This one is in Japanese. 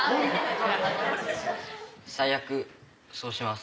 最悪そうします。